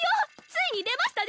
ついに出ました